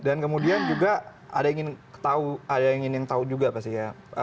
dan kemudian juga ada yang ingin tahu juga pasti ya